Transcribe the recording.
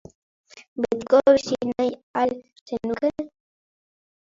Betiko bizi nahi al zenuke?